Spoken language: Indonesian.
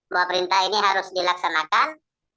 bahwa perintah ini harus dilaksanakan